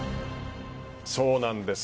そうなんです。